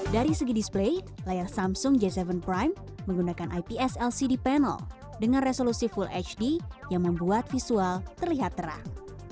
dari segi display layar samsung j tujuh prime menggunakan ips lcd panel dengan resolusi full hd yang membuat visual terlihat terang